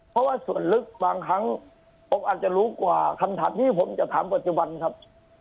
เพราะว่าส่วนลึกบางครั้งผมอาจจะรู้กว่าคำถามที่ผมจะถามปัจจุบันครับ